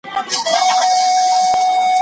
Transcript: په ما ډېر اعتبار نسته زه شاعر زړه مي نازک دی